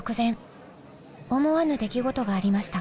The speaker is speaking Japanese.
思わぬ出来事がありました。